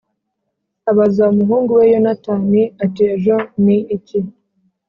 Abaza umuhungu we yonatani ati ejo ni iki